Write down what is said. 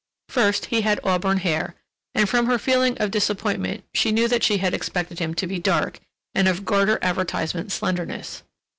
First, he had auburn hair, and from her feeling of disappointment she knew that she had expected him to be dark and of garter advertisement slenderness....